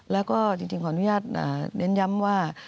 แล้วก็จริงขออนุญาตเน้นย้ำว่า